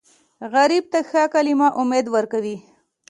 غریب ته ښه کلمه امید ورکوي